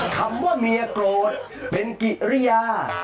คำว่าเมียโกรธเป็นกิริยา